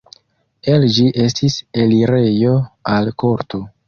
El ĝi estis elirejo al korto.